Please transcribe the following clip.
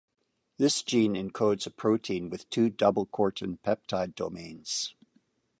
This gene encodes a protein with two doublecortin peptide domains.